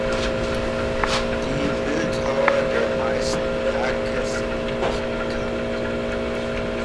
Die Bildhauer der meisten Werke sind nicht bekannt.